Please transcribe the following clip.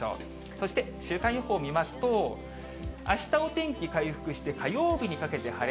そして、週間予報見ますと、あしたお天気回復して、火曜日にかけて晴れ。